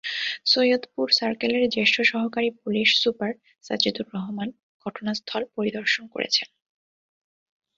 সৈয়দপুর সার্কেলের জ্যেষ্ঠ সহকারী পুলিশ সুপার সাজেদুর রহমান ঘটনাস্থল পরিদর্শন করেছেন।